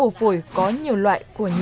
nó lọc phổi tức là nó lọc các cái